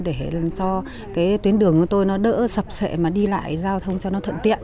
để cho tuyến đường của tôi nó đỡ sập sệ mà đi lại giao thông cho nó thận tiện